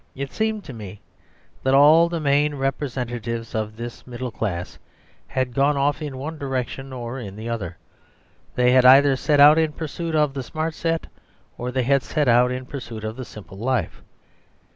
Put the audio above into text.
It seemed to me that all the main representatives of the middle class had gone off in one direction or in the other; they had either set out in pursuit of the Smart Set or they had set out in pursuit of the Simple Life.